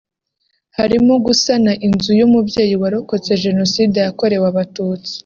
harimo gusana inzu y’umubyeyi warokotse Jenoside yakorewe abatutsi